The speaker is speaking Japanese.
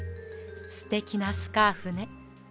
すてきなスカーフね。